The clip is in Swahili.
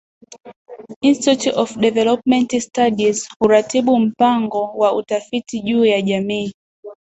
Institute of Development Studies huratibu mpango wa utafiti juu ya jamii